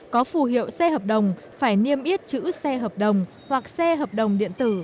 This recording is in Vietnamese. có phù hiệu xe hợp đồng phải niêm yết chữ xe hợp đồng hoặc xe hợp đồng điện tử